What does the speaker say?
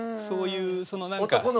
そういうそのなんか。